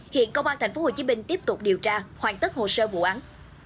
hiện công an tp hcm tiếp tục điều tra hoàn tất hồ sơ vụ án